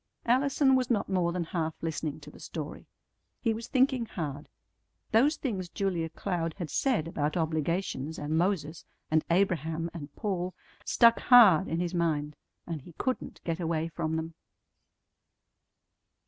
Allison was not more than half listening to the story. He was thinking hard. Those things Julia Cloud had said about obligations and Moses and Abraham and Paul stuck hard in his mind, and he couldn't get away from them.